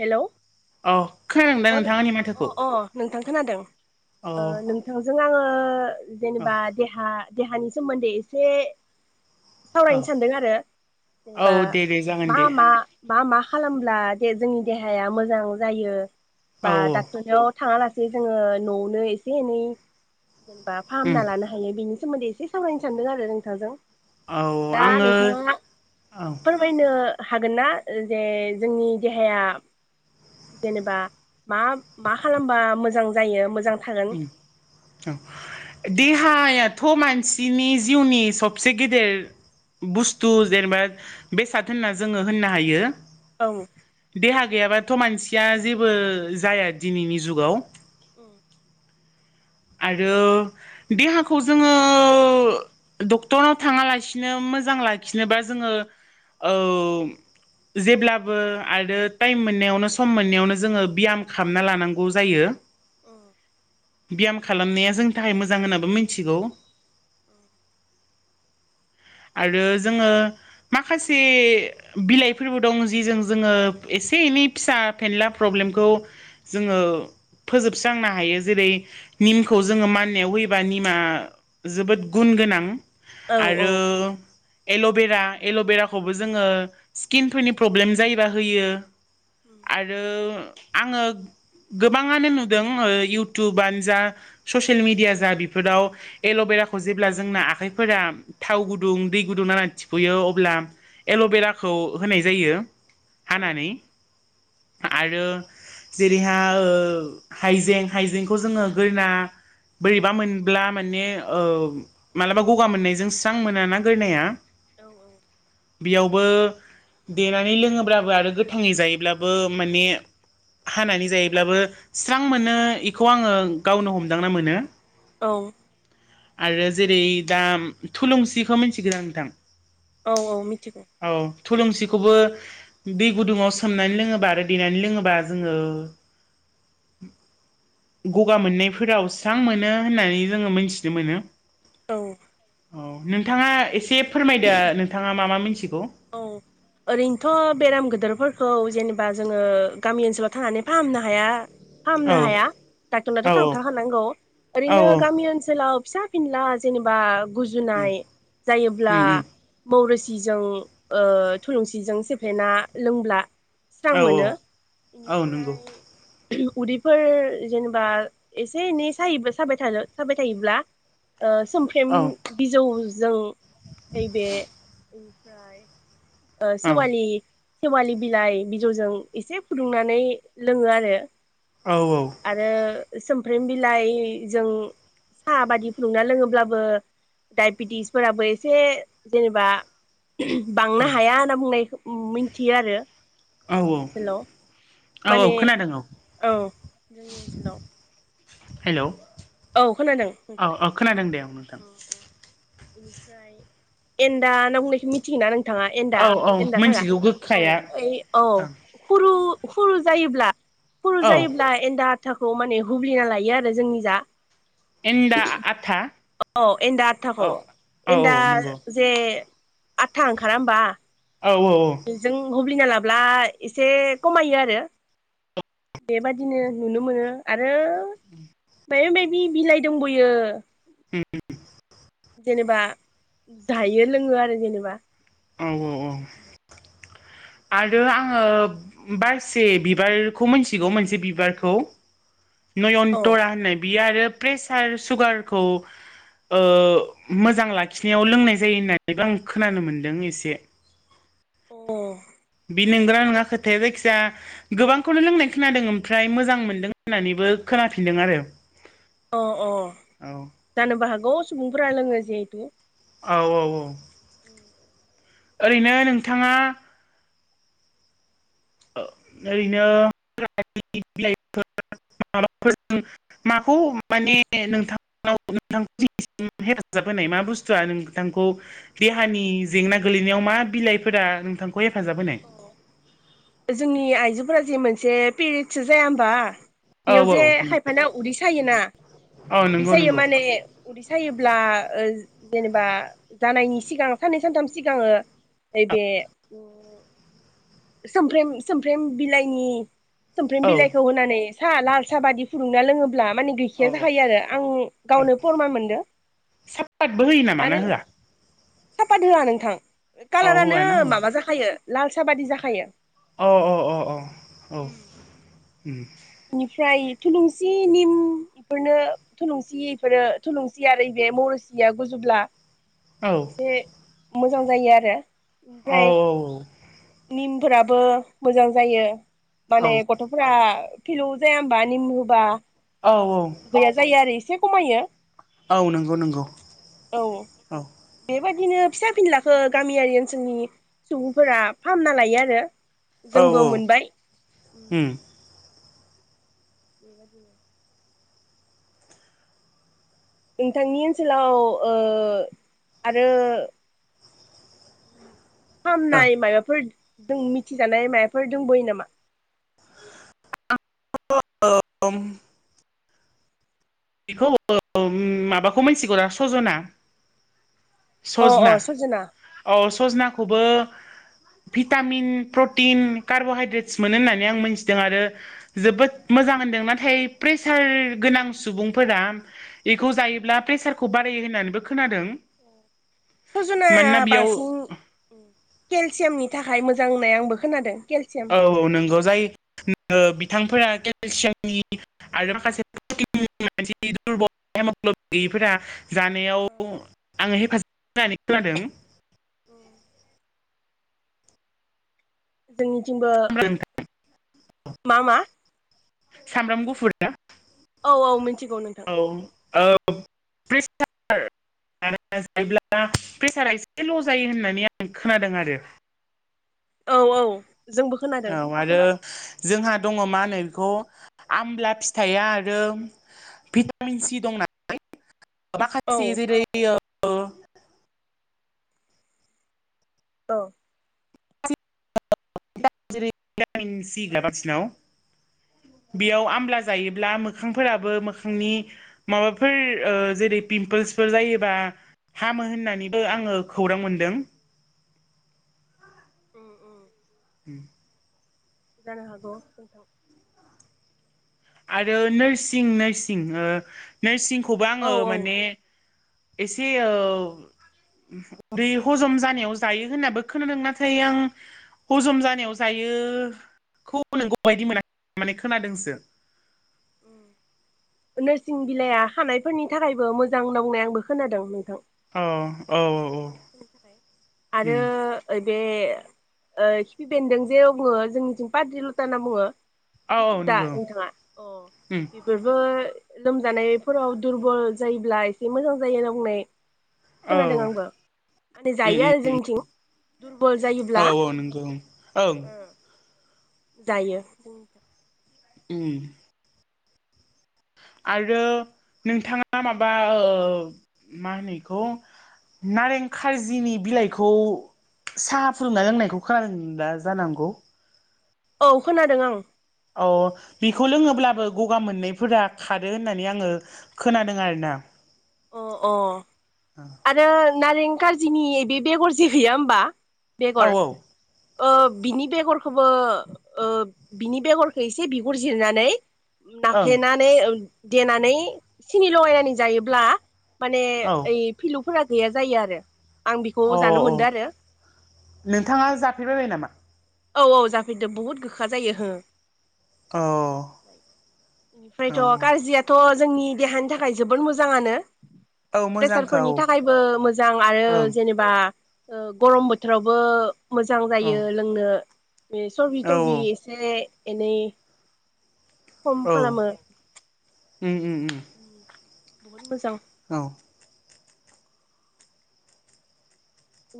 Hello औ खोनादों दा अ नोंथां आंनि माथोखौ अ नोंथां खोनादों औ नोंथांजों आङो औ जेनेबा देहा देहानि सोमोन्दै एसे औ सावरायनो सानदों आरो जेनेबा औ दे दे जागोन मा दे मा मा मा खालामब्ला जोंनि देहाया मोजां जायो औ बा औ डक्टरनाव थाङालासि नो जोङो न'आवनो एसे एनै जेनेबा उम फाहामना लानो हायो बेनि सोमोन्दै एसे सावरायनो सानदों आरो नोंथांजों। औ दा आङो नोंथाङा औ उम फोरमायनो हागोन ना जे जोंनि देहाया जेनेबा मा मा खालामबा मोजां जायो मोजां थागोन औ देहाया थ मानसिनि जिउनि सबसे गेदेर बुस्थु जेनेबा बेसाद होनना जोङो होननो हायो। औ देहा गैयाबाथ मानसिया जेबो जाया दिनैनि जुगाव। औ आरो देहाखौ जोङो डक्टरनाव थाङालासिनो मोजां लाखिनोबा जोङो ओ जेब्लाबो आरो टाइम मोननायावनो सम मोननायावनो जोङो बियाम खालामना लानांगौ जायो। ब्याम खालामनाया जोंनि थाखाय मोजां होननाबो मिथिगौ। आरो जोङो माखासे बिलाइफोरबो दं जिजों जोङो ए से एनै फिसा फेनला प्रब्लेमखौ जोङो फोजोबस्रांनो हायो जेरै निमखौ जोङो माननायाव होयोबा निमा जोबोद गुन गोनां। औ औ आरो एल'बेरा एल'बेराखौबो जोङो स्किनफोरनि प्रब्लेम जायोबा होयो। आरो आङो गोबाङानो नुदों इउटुबानो जा ससियेल मिडिया जा बेफोराव एल'बे खौ जेब्ला जोंना आखाइफोरा थाव गुदुं गुदुं दै गुदुं नांनानै थिफुयो अब्ला एल'बेराखौ होनाय जायो। हानानै आरो जेरैहा ओ हाइजें हाइजेंखौ जोङो गोरना बोरैबा मोनब्ला माने ओ मालाबा गगा मोननायजों स्रां मोना ना गोरनाया औ औ बेयावबो देनानै लोङोब्लाबो आरो गोथाङै जायोब्लाबो माने हानानै जायोब्लाबो स्रां मोनो इखौ आङो गावनो हमदांना मोनो। औ आरो जेरै दा थुलुंसिखौ मिथिगो नोंथां? औ औ मि औ थुलुंसिखौबो दै गुदुङाव सोमनानै लोङोबा आरो देनानै लोङोबा जोङो [inaudible] गगा मोननायफोराव स्रां मोनो होननानै जोङो मोनथिनो मोनो। औ औ नोंथाङा एसे फोरमायदो नोंथाङा मा मा मिन्थि औ ओरैनोथ' बेराम गिदोरफोर खौ जेनेबा जोङो गामि ओनसोलाव थांनानै फाहामनो हाया औ फाहामनो हाया डक्टरनाथ' औ थांथारखानांगौ औ ओरैनो गामि ओनसोलाव फिसा फिनला जेनेबा उम गुजुनाय जायोब्ला उम उम मौरोसिजों ओ थुलुंसिजों सेफ्लेना लोंब्ला स्रां औ औ मोनो औ नंगौ बेनिफ्राय उदैफोर जेनेबा एसे एनै सायो साबाय थानो साबाय थायोब्ला ओ सोमफ्रेम औ बिजौजों नैबे ओमफ्राय ओ औ सेेवालि सेेवालि बिलाइ बिजौजों एसे फुदुंनानै लोङो आरो औ आरो सोमफ्रोम बिलाइजों साहा बादि फुदुंना लोङोब्लाबो डाइबेटिसफोराबो एसे जेनेबा बांनो हाया होनना बुंनाय मिथियो आरो औ जोंनि ओनसोलाव औ माने खोनादों औ औ जोंनि ओनसोलाव हेलौ औ खोनादों औ औ खोनादों दे औ नोंथां बेनिफ्राय एनदा होनना बुंनायखौ मिथिगोना नों थाङा एनदा औ एनदा औ थारा मिथिगौ औ गोखाया ओइ औ ओं खुरु खुरु जायोब्ला खुरु औ जायोब्ला एनदा आथाखौ माने हुब्लिना लायो आरो जोंनि जा एन्दा आथा औ एनदा आदथाखौ औ औ औ एनदा नंगौ जे आथा ओंखारा होमबा औ औ औ बेजों हुब्लिना लाब्ला एसे खमायो आरो बेबादिनो नुनो मोनो आरो माबा माबि बिलाइ दंबयो उम जेनेबा जायो लोङो आरो जेनेबा औ औ औ आरो आङो बारसे बिबारखौ मोनथिगौ मोनसे बिबारखौ [inaudible] अ नयनतरा होननाय बियो आरो प्रेसार सुगारखौ ओ मोजां लाखिनायाव लोंनाय जायो होननानैबो आं खोनानो मोनदों एसे अह बि नंगौना नोङा खोथाया जायखि जा गोबांखौनो लोंनाय खोनादों ओमफ्राय मोजां मोनदों होननानैबो खोनाफिनदों आरो अ अ औ जानोबो हागौ सुबुंफोरा लोङो जिहेथु औ औ औ ओरैनो नोंथाङा ओरैनो बिलाइ माबाफोर माखौ माने नोंथांनाव नोंथां मोननिथिं हेफाजाब होनाय मा बुस्थुआ नोंथांखौ देहानि जेंना गोलैनायाव मा बिलाइफोरा नोंथांखौ हेफाजाब होनाय जोंनि आइजोफोरा जे मोनसे पिरियदस जाया होमबा औ बेयाव औ जे खायफाना उदै सायोना औ उदै नंगौ सायो नंगौ माने उदै सायोब्ला जेनेबा जानायनि सिगां साननै सानथाम सिगाङो नैबे उम सोमफ्रेम सोमफ्रम बिलाइनि सोमफ्रम औ बिलाइखौ होनानै सा लाल साह बादि फुुंदुंना लोङो ब्ला माने औ गैखाया जाखायो आरो आं गावनो फरमान मोनदो साफादबो होयो नामा ना होआ सापाद होआ नोंथां औ कालारानो होआ ना औ माबा जाखायो लाल सा बादि जाखायो औ औ उम औ औ औ बेनिफ्राय थुलुंसि निम बेफोरनो थुलुंसि इफोरो थुलुंसि आरो बे बे मरसिया गुजुबब्ला एसे मोजां जायो आरो औ ओमफ्राय औ औ निमफोराबो मोजां जायो माने गथ'फोरा फिलौ जाया ह होनबा निम होबा औ गैया जायो आरो एसे खमायो औ नंगौ नंगौ औ औ बेबायदिनो फिसा फिनलाखौो गामियारि ओनसोलनि सुबुंफोरा फाहामना लायो आरो औ जोंबो मोनबाय उम [inaudible] नोंथांनि ओनसोलाव आरो औ फामनाय माबाफोर जों मिथिजानाय माबाफोर दंबोयो नामा [unintelligible] बेखौ माबाखौ मिथिगौरा सजना अ अ सजना औ सजनाखौबो [inaudible] भिटामिन प्रटिन कार्बहाइद्रेटस मोनो होननानै आं मोनथिदों आरो जोबोद मोजाङै नाथाय प्रेसार गोनां सुबुं फोर बेखौ जायोब्ला प्रेसारखौ बारायो होननानैबो खोनादों सजनाय मानोना बेयाव बांसिन केलसियामनि थाखाय मोजां होननाय आंबो खोनादों केलसियाम औ औ नंगौ जाय नोगो बिथांफोरा केलसियाम आरो माखासे दुरबल हेमग्लबिन गौयैफोरा जानायाव आङो हेफाजाब होनानै खोनादों [inaudible] जों [unintelligible] मा मा सामब्राम गुफुरा औ औ मिथिगौ नोंथां [unintelligible] मानोना जायोब्ला प्रेसारा एसे ल जायो होननानै आं खोनादों आरो औ औ जोंबो औ खोनादों आरो जोंहा दङ मा होनो बेखौ आमला फिथाइया आरो भिटामिन सि दं नालाय औ माखासे जेरै दं [unintelligible] बेयाव आमला जायोब्ला म मोखांफोराबो मोखांनि माबाफोर जेरै पिमपोल्सफोर जायोबा हामो होननानैबो आङो खौरां मोनदों [inaudible] उम जानो‌ हागौ आरो नोर्सिं नोरसिं नोर्सिंखौबो औ आङो औ माने एसे आ उदै हजम जानायाव जायो होननाबो खोनादों नाथाय आं हजम जानायाव जायोखौ नोंगौ बायदि मोनाखै माने खोनादोंसो [inaudible] नोरसिं बिलाइया हानायफोरनि थाखायबो मोजां नंनाय आंबो खोनादों नोंथां अ उम आरो बे खिफि बेन्दों जे बुङो जोंनिथिं पाद्रि लथा होनना बुङो औ औ दा नंगौ नोंथाङा उम बेफोरबो लोमजानायफोराव दुरबल जायोब्ला एसे मोजां जायो होनना बुंनाय औ खोनादों उम आंबो माने जायो उम आरो जोंनिथिं दुरबल औ जायोब्ला औ नंगौ ओं जायो उम आरो नोंथाङा माबा मा होनो बेखौ नारें खारजिनि बिलाइखौ साहा फुदोंना लोंनायखौ खोमादोंब्ला जानांगौ औ खोनादों आं अ बेखौ लोङोब्लाबो गगा मोननैफोरा खारो होननानै आङो खोनादों आरोना अ ओ अ आरो नारें कारजिनि बे बेगर जे गैया होमबा औ बेगर ओ बिनि बेगरखौबो बिनि बेगरखौ एसे बिगुर जिरनानै ओं नाफ्लेनानै देनानै सिनि लगायनानै जायोब्ला माने औ ओइ फिलुफोरा गैया जायो आरो आं बेखौ अ जानो औ मोनदों आरो नोंथाङा जाफेरबायबाय नामा औ औ जाफैदो बहुत गोखा जायो हो अ औ निफ्रायथ' गाज्रियाथ' जोंनि देहानि थाखाय जोबोद मोजाङानो औ मोजांखा प्रेसारफोरनि औ थाखायबो मोजां आरो ओं जेनेबा गरम बोथोरावबो मोजां औ जायो लोंनो बे सबि थरबि औ एसे एनै खम खालामो उ उ उ बहुत मोजां औ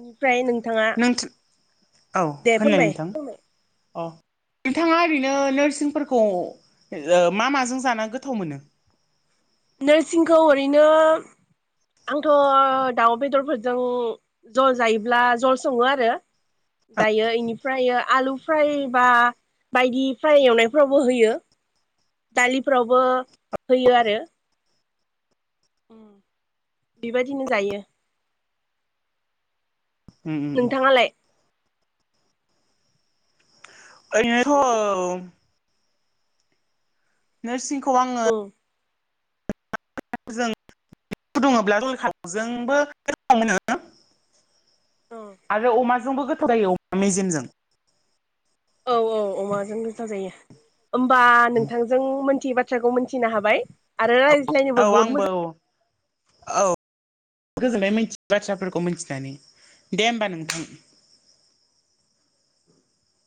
निफ्राय नों नोंथां औ होननाय फोरमाय नोंथां अ नोंथाङा ओरैनो नोरसिंफोरखौ मा माजों जान गोथाव मोनो नोरसिंखौ ओरैनो आंथ' दाउ बेदरफोरजों जल जायोब्ला जल सङो आरो उम दायो इनिफ्राय आलु फ्रायबा बायदि फ्रा एवनायफ्रावबो होयो दालिफ्रावबो होयो आरो बेबायदिनो जायो उम उम नोंथाङालाय आंनिथ' हेलौ [unintelligible] नोरसिंखौ आङो ओम दुङोब्ला जलजोंबो मोनो [unintelligible] औ आरो अमाजोंबो गोथाव जायो अमा मेजेमजों औ औ अमाजों गोथाव जायो होमबा नोंथांजों मिथियि बाथ्राखौ मिथिनो हाबाय आरो रायज्लायनोबो औ बहुद आंबो मोजां औ गोजोननाय मोनथियै [unintelligible] बाथ्राफोरखौ मिथिनानै दे होमबा नोंथां [inaudible]